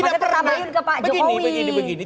makanya kita tabayun ke pak jokowi